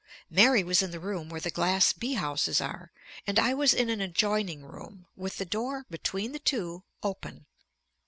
Mary was in the room where the glass bee houses are, and I was in an adjoining room, with the door between the two open.